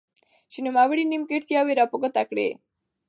چې نوموړي نيمګړتياوي را په ګوته کړي.